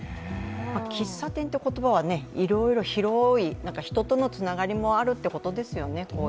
喫茶店という言葉はいろいろ広い、人とのつながりもあるということですよね。